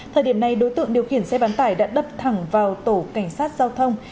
thời điểm này đối tượng điều khiển xe bán tải đã đâm thẳng vào tổ cảnh sát giao thông